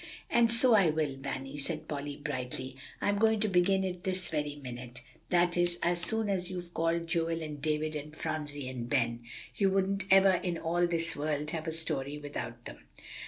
"And so I will, Vanny," said Polly brightly. "I'm going to begin it this very minute; that is, as soon as you've called Joel and David and Phronsie and Ben. We couldn't ever in all this world have a story without them."